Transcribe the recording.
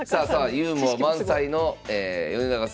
ユーモア満載の米長先生